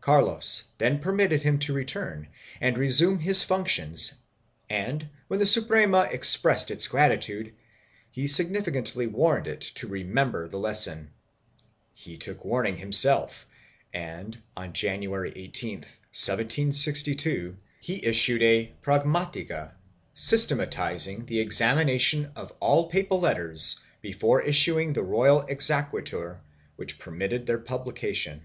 Carlos then permitted him to return and resume his functions and, when the Suprema expressed its gratitude, he significantly warned it to remember the lesson.1 He took warning himself and, on January 18, 1762, he issued a pragmatica systematizing the examination of all papal letters before issuing the royal exequatur which permitted their publication.